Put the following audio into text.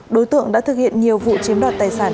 đối tượng đã thực hiện nhiều vụ chiếm đoạt tài sản